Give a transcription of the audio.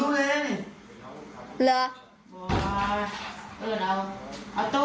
วุ่นเตอร์ที่มีวิทีโอ